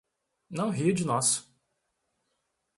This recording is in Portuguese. Não ria de nós!